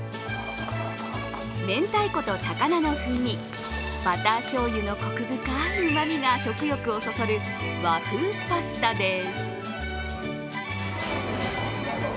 めんたいこと高菜の風味、バターしょうゆのコク深いうまみが食欲をそそる和風パスタです。